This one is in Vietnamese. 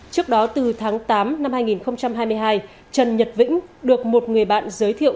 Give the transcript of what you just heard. trước đó từ tháng tám năm hai nghìn hai mươi hai trần nhật vĩnh được một người bạn giới thiệu